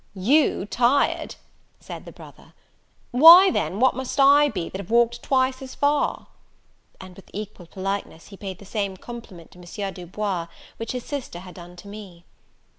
"You tired!" said the brother; "why, then, what must I be, that have walked twice as far?" And, with equal politeness, he paid the same compliment to M. Du Bois which his sister had done to me.